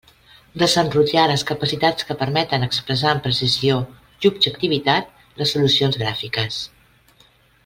Desenrotllar les capacitats que permeten expressar amb precisió i objectivitat les solucions gràfiques.